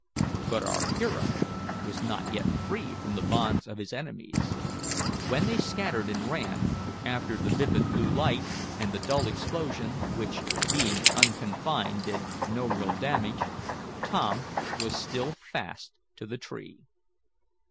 But our hero was not yet free from the bonds of his enemies. When they scattered and ran, after the vivid blue light, and the dull explosion, which, being unconfined, did no real damage, Tom was still fast to the tree.